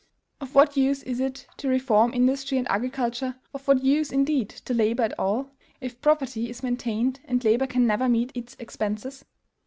Of what use is it to reform industry and agriculture, of what use, indeed, to labor at all, if property is maintained, and labor can never meet its expenses?